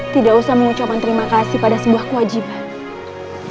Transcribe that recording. tidak usah mengucapkan terima kasih pada sebuah kewajiban